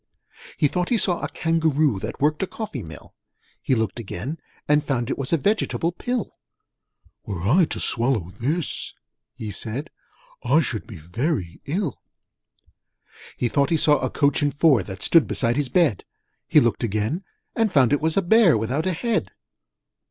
He thought he saw a Kangaroo That worked a coffee mill: He looked again, and found it was A Vegetable Pill. 'Were I to swallow this,' he said, 'I should be very ill!' He thought he saw a Coach and Four That stood beside his bed: He looked again, and found it was A Bear without a Head.